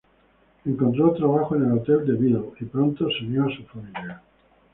Encontró trabajo en el "Hôtel de ville", y pronto se unió a su familia.